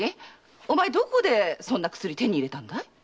お前どこでそんな薬手に入れたんだい？